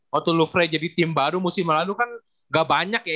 waktu lufrey jadi tim baru musim lalu kan gak banyak ya